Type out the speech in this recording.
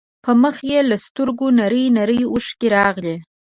په مخ يې له سترګو نرۍ نرۍ اوښکې راغلې.